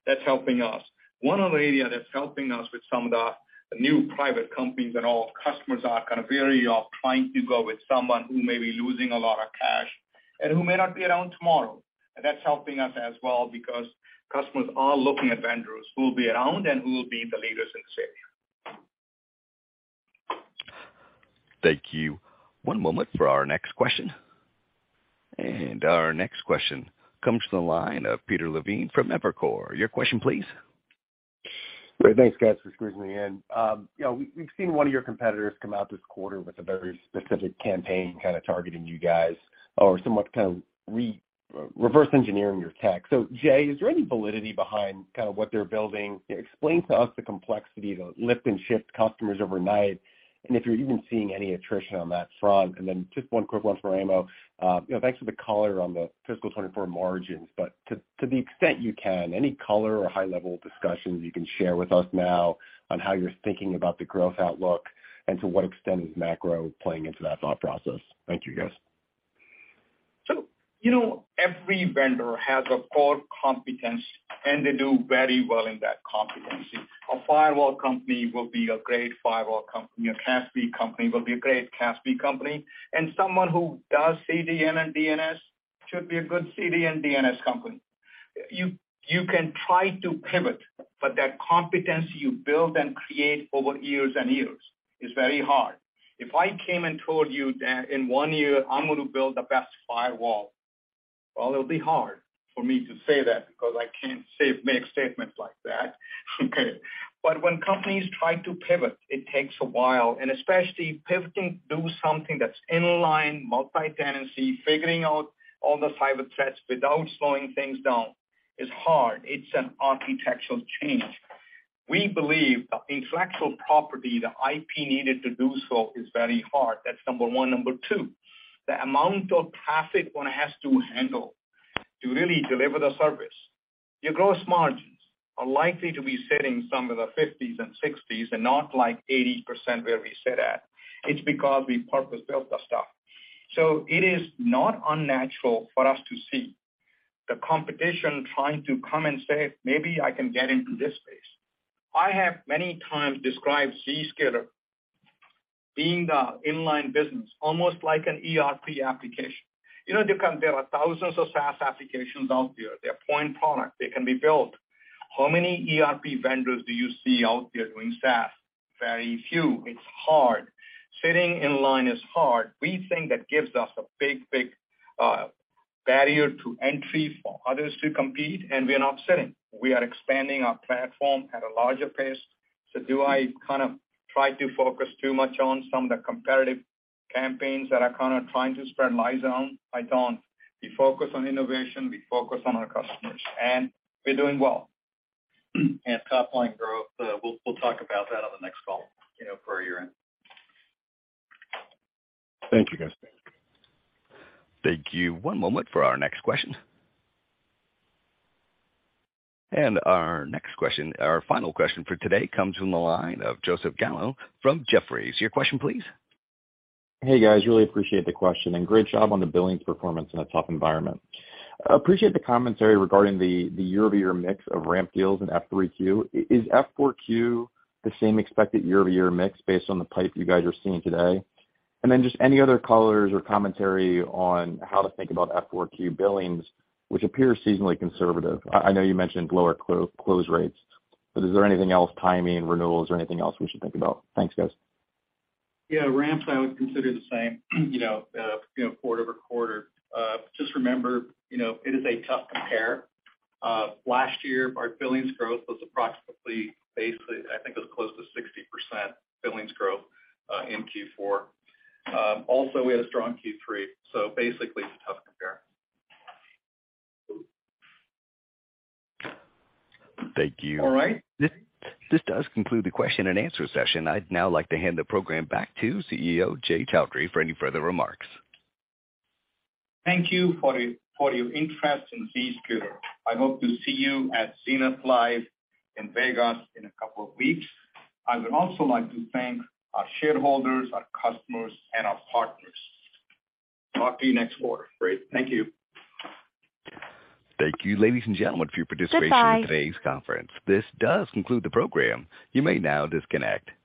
That's helping us. One other area that's helping us with some of the new private companies and all, customers are kind of wary of trying to go with someone who may be losing a lot of cash and who may not be around tomorrow. That's helping us as well because customers are looking at vendors who will be around and who will be the leaders in this area. Thank you. One moment for our next question. Our next question comes from the line of Peter Levine from Evercore. Your question, please. Great. Thanks, guys, for squeezing me in. you know, we've seen one of your competitors come out this quarter with a very specific campaign, kind of targeting you guys or somewhat kind of re- reverse engineering your tech. Jay, is there any validity behind kind of what they're building? Explain to us the complexity to lift and shift customers overnight, and if you're even seeing any attrition on that front. Then just one quick one for Remo, you know, thanks for the color on the fiscal 24 margins. To, to the extent you can, any color or high-level discussions you can share with us now on how you're thinking about the growth outlook and to what extent is macro playing into that thought process? Thank you, guys. You know, every vendor has a core competence, and they do very well in that competency. A firewall company will be a great firewall company. A CASB company will be a great CASB company, and someone who does CDN and DNS should be a good CDN, DNS company. You can try to pivot, but that competence you build and create over years and years is very hard. If I came and told you that in one year, I'm going to build the best firewall, well, it'll be hard for me to say that because I can't make statements like that. When companies try to pivot, it takes a while, and especially pivoting, do something that's inline, multi-tenancy, figuring out all the cyber threats without slowing things down is hard. It's an architectural change. We believe the intellectual property, the IP, needed to do so is very hard. That's number one. Number two, the amount of traffic one has to handle to really deliver the service, your gross margins are likely to be sitting somewhere in the 50s and 60s, and not like 80%, where we sit at. It's because we purpose-built the stuff. It is not unnatural for us to see the competition trying to come and say, "Maybe I can get into this space." I have many times described Zscaler being the inline business, almost like an ERP application. You know, there are thousands of SaaS applications out there. They're point product. They can be built. How many ERP vendors do you see out there doing SaaS? Very few. It's hard. Sitting in line is hard. We think that gives us a big barrier to entry for others to compete, and we are not sitting. We are expanding our platform at a larger pace. Do I kind of try to focus too much on some of the competitive campaigns that are kind of trying to spread lies around? I don't. We focus on innovation, we focus on our customers, and we're doing well. Top-line growth, we'll talk about that on the next call, you know, for a year-end. Thank you, guys. Thank you. One moment for our next question. Our next question, our final question for today comes from the line of Joseph Gallo from Jefferies. Your question, please. Hey, guys, really appreciate the question, and great job on the billings performance in a tough environment. I appreciate the commentary regarding the year-over-year mix of ramp deals in F3Q. Is F4Q the same expected year-over-year mix based on the pipe you guys are seeing today? Then just any other colors or commentary on how to think about F4Q billings, which appear seasonally conservative. I know you mentioned lower close rates, but is there anything else, timing, renewals, or anything else we should think about? Thanks, guys. Ramps, I would consider the same, you know, you know, quarter-over-quarter. Just remember, you know, it is a tough compare. Last year, our billings growth was approximately, basically, I think it was close to 60% billings growth, in Q4. We had a strong Q3, basically, it's a tough compare. Thank you. All right. This does conclude the question and answer session. I'd now like to hand the program back to CEO, Jay Chaudhry, for any further remarks. Thank you for your interest in Zscaler. I hope to see you at Zenith Live in Vegas in a couple of weeks. I would also like to thank our shareholders, our customers, and our partners. Talk to you next quarter. Great. Thank you. Thank you, ladies and gentlemen, for your participation. Bye-bye in today's conference. This does conclude the program. You may now disconnect. Good day.